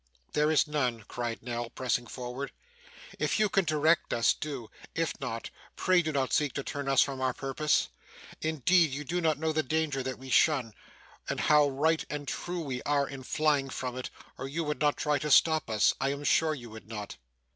'There is none,' cried Nell, pressing forward. 'If you can direct us, do. If not, pray do not seek to turn us from our purpose. Indeed you do not know the danger that we shun, and how right and true we are in flying from it, or you would not try to stop us, I am sure you would not.